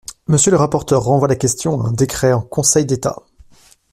Monsieur le rapporteur renvoie la question à un décret en Conseil d’État.